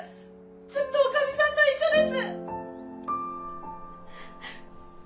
ずっと女将さんと一緒です